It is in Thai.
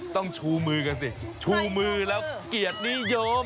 ต้องชูมือกันสิชูมือแล้วเกียรตินิยม